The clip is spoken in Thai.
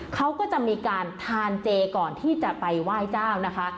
เขาก็จะมีการทานเจก่อนที่จะไปไหว้เจ้านะคะ